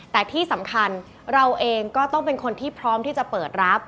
แต่ที่สำคัญเราเองก็ต้องเป็นคนที่พร้อมที่จะเปิดรับ